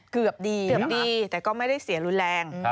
เกือบดีแต่ก็ไม่ได้เสียรุนแรง